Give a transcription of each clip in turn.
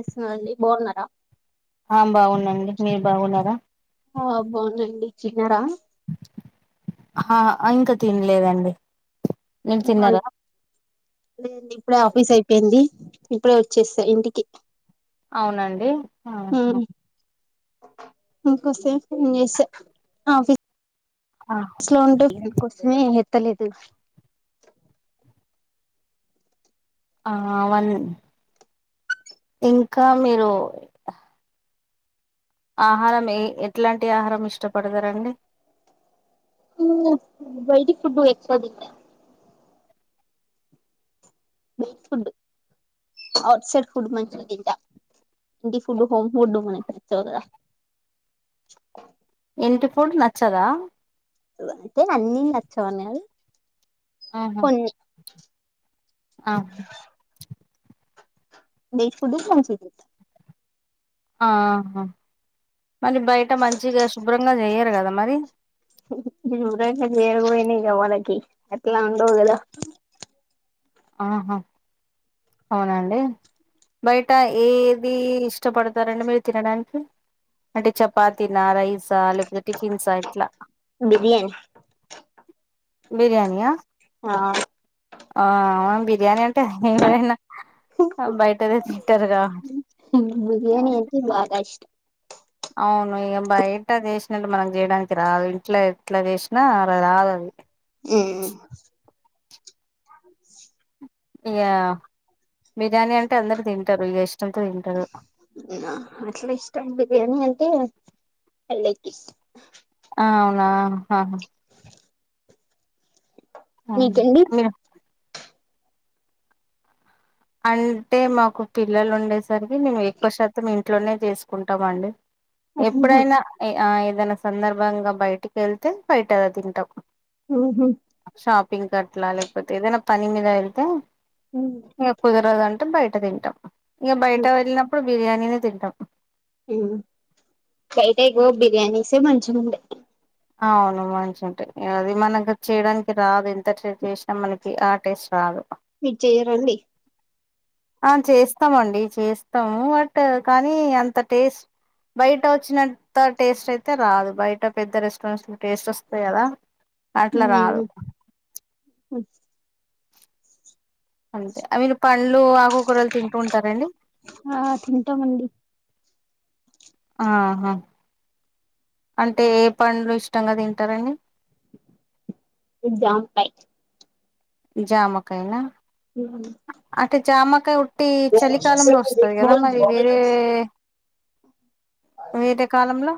yes మళ్ళీ బోనరా ఆ బాగునం మీరు బాగున్నారా చిగెర హ ఇంకా తినలేదండి మీరు తిన్నారా [unintelligible] ఇప్పుడే ఆఫీస్ అయిపోయింది ఇప్పుడే వచ్చేస్తా ఇంటికి అవునండి ఆహా ఇంకొస్తే ఫోన్ చేస్ ఆఫీస్ స్లో ఉంటే [unintelligible] కోసమే ఎత్తలేదు ఆ వన్ ఇంకా మీరు ఆహారం ఏ ఎట్లాంటి ఆహారం ఇష్టపడతారండి ఉం బైటి ఫుడ్ ఎక్కువ తింటా ఫడ్ ఔట్సైడ్ ఫుడ్ మంచిగ తింటా ఇంటి ఫుడ్ హోమ్ ఫుడ్ మనకి నచ్చావ్ కదా ఇంటి ఫుడ్ నచ్చదా అంటే అన్ని నచ్చవ ఆహా ఆ నేట్ ఫుడ్ కొంచి [unintelligible] ఆహా మరి బయట మంచిగా శుభ్రంగా చెయ్యరు కదా మరి వరు పోయి న కావనకి ఎట్లా ఉండవుల [unintelligible] ఆహా అవునా అండి బయట ఏది ఇష్టపడతారండి మీరు తినడానికి అంటే చపాతీనా రై సా లేకపోతె టిఫిన్స్ ఆ ఇట్లా బిర్యానీ బిర్యానియా ఆ ఆ బీర్ బిర్యానీ అంటే ఎవరైనా బయటదే తింట్టారుగా బిర్యానీ అయితే బాగా ఇష్టం అవును ఇగ బయట చేసినట్టు మనం చేయడానికి రాదు ఇంట్లా ఇట్లా చేసినా రాదు అది ఉం ఇగ బిర్యానీ అంటే అందరు తింటారు ఇగ ఇష్టంతో తింటారు అట్లా ఇష్టం బిర్యానీ అంటే అల్లకి ఆ అవునా ఆ మీకండి అంటే మాకు పిల్లలు ఉండేసరికి మేము ఎక్కువ శాతం ఇ ఇంట్లోనే చేసుకుంటామండి ఎప్పుడైనా ఆ ఏదైనా సందర్భంగా బయటికి వెళ్తే బయట అలా తింటం షాపింగ్ క ట్లా లేకపోతే ఏదైనా పని మీద వెళ్తే ఉం ఇకా కుదరదు అంటే బయట తింటాం ఇక బయట వెళ్ళినప్పుడు బిర్యానీనే తింటాం ఉం బయట ఇగో బిర్యానీసే మంచిగా ఉండే అవును మంచి ఉంటాయి అది మనకి చేయడానికి రాదు ఎంత ట్రై చేసినా మనకి ఆ టేస్ట్ రాదు మీరు చేయరండి ఆ చేస్తామండి చేస్తాము బట్ కానీ అంత టేస్ట్ బయట వచ్చినంత టేస్ట్ అయితే రాదు బయట పెద్ద రెస్టారెంట్స్ లో టేస్ట్ వస్తాయి కదా అట్లా రాదు [inaudible] అంతే అవి పళ్ళు ఆగు కురలు తింటు ఉంటారండి ఆ తింటామండి ఆహా అంటే ఏ పండ్లు ఇష్టంగా తింటారండి జామ కయ్ జామకాయినా ఉం జామకాయ ఉట్టి చలికాలంలో వస్తది కదా మరి వేరే [unintelligible] వేరే కాలంలో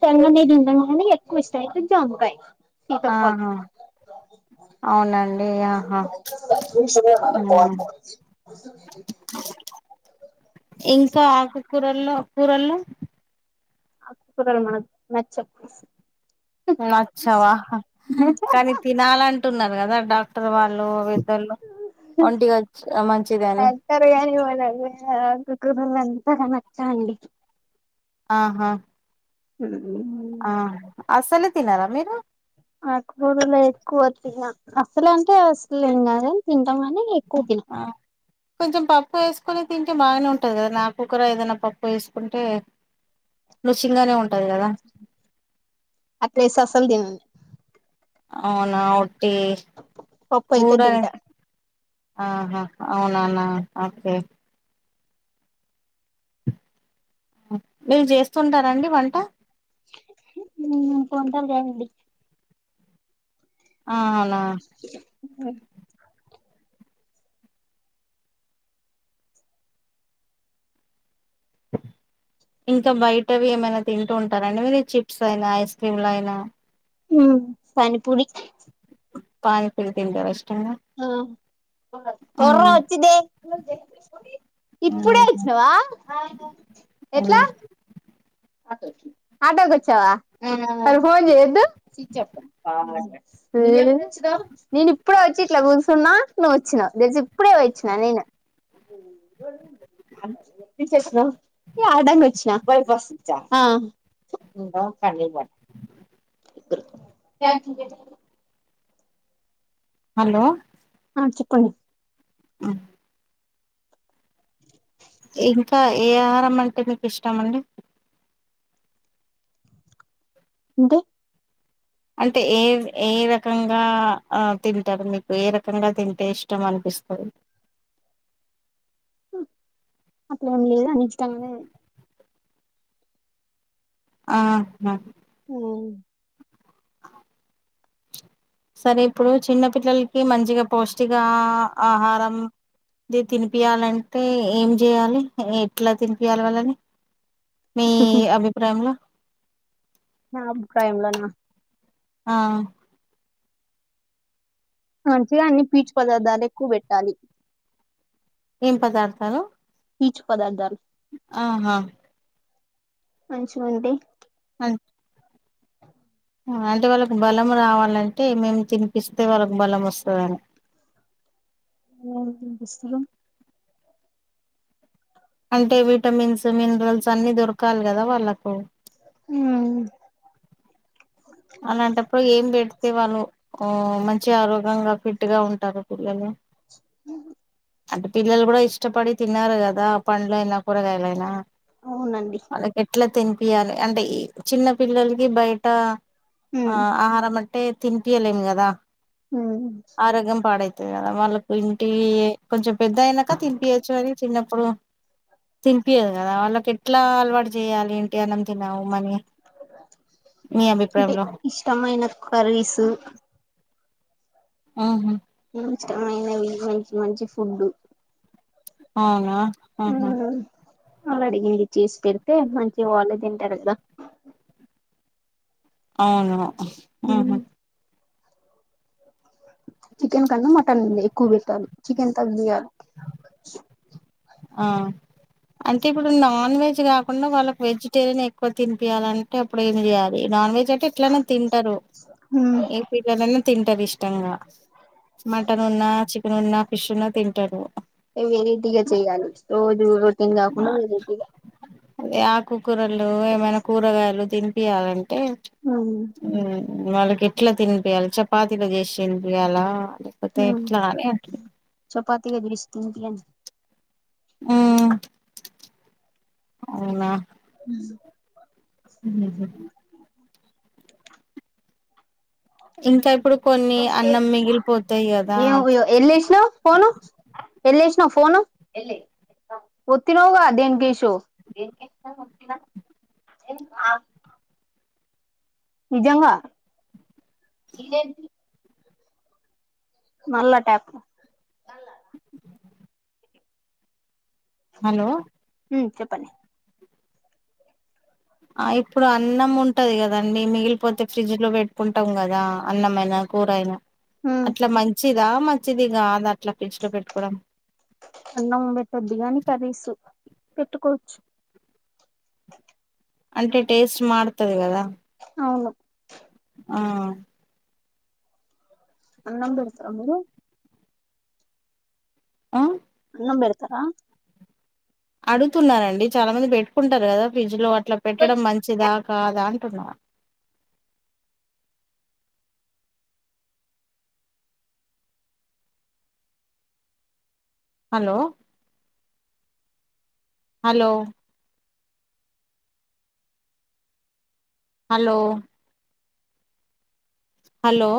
అని ఎక్కువ ఇష్ట అయితే జాంకాయ ఆ అ అవునండి ఆహ ఇంకా ఆకుకూరల్లో కూరల్లో ఆకుకూరలు మనక్ నచ్చవ్ నచ్చవా కానీ తినాలంటున్నారు కదా డాక్ డాక్టర్ వాళ్ళు విద్దల్‌లు ఎక్కర కానీ పోనకండి పాకం వచ్చా అండి ఆహ హు ఆ అసలు తినరా మీరు ఆకు కూరలు ఎక్కువ తిన అసలు అంటే అసలుదని తింటాంమని ఆ కొంచెం పప్పు వేసు కొని తింటే బాగానే ఉంటది కదా నా కుక్కర ఏదైనా పప్పు వేసుకుంటే రుచి గానే ఉంటది కదా అట్లె ఎస్తే అస్సలు దని అవునా ఒట్టి పప్పు అయితే కూర తింటా ఆహ అవునాన ఓకే మీర్‌ చేస్తుంటారంండి వంట ఉమ్మ్ పొంతర్‌ తాండి అ అవున ఇంకా బయటవి ఏమైనా తింటూ ఉంటారండి మీరు చిప్స్ అయినా ఐస్ క్రీమ్లు అయినా ఉమ్ పానిపూరి పానిపూరి తింటరా ఇస్ట ఉ పొర్ర ఉమ్ వచ్చిద్ ఉహు ఇప్పుడే ఇచ్చినవా ఎట్లా ఉమ్ ఆటోకి వచ్చావా మరిఫోన్ చేయొద్దు ా నేను ఇప్పుడే వచ్చి ఇట్ల కూర్చున్నా నువ్వు వచ్చినావు తెలిసి ఇప్పుడే పోయి వచ్చినా నేను ిన ఏ ఆడానికి వచ్చిన బైపాస్ ఆ థ్యాంక్ యూ హలో ఆ చెప్పండి అ ఇంకా ఏ ఆహారం అంటే మీకు ఇష్టమండి ఇంతె అంటే ఏ ఏ రకంగా తింటారు మీకు ఏ రకంగా తింటే ఇష్టం అనకు ఇస్తరు అట్లేం లేదు అన్నిఇష్టంగా తిం ఆహ ఉ సరే ఇప్పుడు చిన్న పిల్లలకి మంచిగ పౌష్టికా ఆహారం ఇది తినిపియాలంటే ఏం చేయాలి ఎట్లా తినిపియాలి వాళ్ళని మీ అభిప్రాయంలో నా అభిప్రాయంలోనా ఆ మంచిగా అన్ని పీచు పదార్థాలు ఎక్కువ పెట్టాలి ఏం పదార్థాలు పీచు పదార్థాలు అహ మంచిగుండి అంటే వాళ్ళకి బలం రావాలంటే ఏమేమి తినిపిస్తే వాళ్ళకు బలం వస్తదని ఉ పుస్తకం అంటే విటమిన్స్ మినరల్స్ అన్ని దొరకాలి కదా వాళ్ళకు ఊ అలాంటప్పుడు ఏం పెడితే వాళ్ళు ఉ మంచిగా ఆరోగ్యంగా ఫిట్ గా ఉంటారు పిల్లలు ఉహు అంటే పిల్లలు కూడా ఇష్టపడి తిన్నారు కదా పండ్లయినా కూరగాయలైనా అవునండి అట్లా తినిపియాలి అంటే ఈ చిన్న పిల్లలకి బయట ఆ ఉమ్ ఆహారం టే తినిపియలేము కదా ఉమ్ ఆరోగ్యం పాడై అంతే కదా వాళ్ళకు ఇంటి కొంచెం పెద్ద అయినాక తినిపియచ్చు అని చిన్నప్పుడు తినిపియదు కదా వాళ్ళకి ఎట్లా అలవాటు చేయ్యాలి ఏంటి అన్నం తినవు మనీ మి అబి అంటే ఇష్టమైన కర్రీసు అహ ఇష్టమైనవి మంచి మంచి ఫుడ్ అవునా అహ అలా అడిగింది చీస్ పెడితే మంచి వాలే తింటారుగా అవును ఉ హు చికెన్ కన్నా మటన్ ఎక్కువ పెట్టాలి చికెన్ తగ్గియ్యాలి అంటే ఇప్పుడు నాన్ వె జ్ కాకుండా వాళ్ళ కి వెజిటేరియనే ఎక్కువ తినిపియ్యాలంటే అప్పుడు ఏమి చేయాలి నాన్ వెజ్ జ్ ఎట్లన తింటరు ఏం పెట్నాగాని తింటరు ఇష్టంగా మటన్ ఉన్నా చికెన్ ఉన్నా ఫిష్ ఉన్నా తింటారు వెరైటీగా చేయాలి రోజు రోటీన్ ఆ కాకుండా వేరేటిగా అదే ఆకుకూరలు ఏమైనా కూరగాయలు తినిపియ్యాలంటే ఉమ్ వాళ్ళకి ఎట్లా తినిపియాలి చపాతీలో చేసి తినిపియాలా లేపోతే ఎట్లా అని అట్ల తిగ పిలిషి తినిపియ్యండి ఉ అవునా ఉహు ఇంకా ఇప్పుడు కొన్ని అన్నం మిగిలిపోతాయి కదా ఎమో యెల్లేషినవ్ ఫోను యెల్లేషినవ్ ఫోను ఒత్తినావ్ గా దేనికేసో నిజంగా ఇదేంటి మల్లా ట్యాకు హలో హ్మ్ చెప్పండి ఆ ఇప్పుడు అన్నం ఉంటది కదండి మిగిలిపోతే ఫ్రిడ్జ్ లో పెట్టుకుంటం కదా అన్నమైన కూరయినా అట్లా మంచిదా మంచిది కాదా అట్లా ఫ్రిజ్ లో పెట్టుకోవడం అన్నం బెట్టొద్దు గాని కర్రీసు పెట్టుకోచ్చు అంటే టేస్ట్ మారుతది కదా అవును ఆ అన్నం పెడతరా మీరు ఆ అన్నం బెడ్ తరా అడుగుతున్నానండి చాలా మంది పెట్టుకుంటారు కదా ఫ్రిడ్జ్ లో అట్లా పెట్టడం మంచిదా కాదా అన్ ఫ్రిడ్జ్ లోన హలో హలో హలో హలో